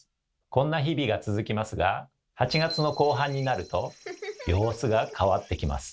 こんな日々が続きますが８月の後半になると様子が変わってきます。